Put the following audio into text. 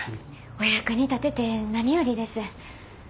お役に立てて何よりです。